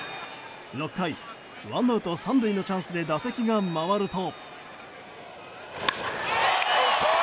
６回、ワンアウト３塁のチャンスで打席が回ると。